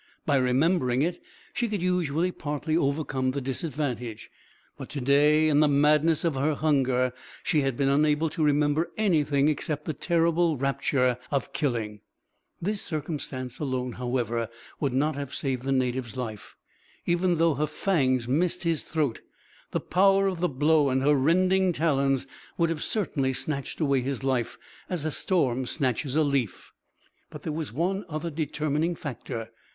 By remembering it, she could usually partly overcome the disadvantage; but to day, in the madness of her hunger, she had been unable to remember anything except the terrible rapture of killing. This circumstance alone, however, would not have saved the native's life. Even though her fangs missed his throat, the power of the blow and her rending talons would have certainly snatched away his life as a storm snatches a leaf. But there was one other determining factor.